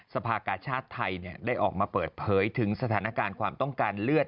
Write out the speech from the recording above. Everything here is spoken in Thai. สภากาชาติไทยได้ออกมาเปิดเผยถึงสถานการณ์ความต้องการเลือด